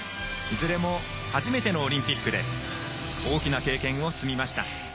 いずれも初めてのオリンピックで大きな経験を積みました。